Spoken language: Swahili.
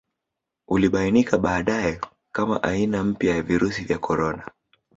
Ulibanika baadaye kama aina mpya ya virusi vya korona